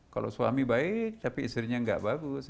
kalau suami baik tapi istrinya nggak bagus